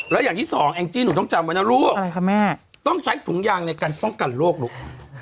แล้วอย่างที่สองแองจี้หนูต้องจำไว้นะลูกอะไรคะแม่ต้องใช้ถุงยางในการป้องกันโรคลูก